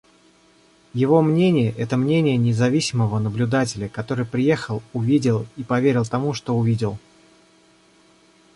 Его мнение — это мнение независимого наблюдателя, который приехал, увидел и поверил тому, что увидел.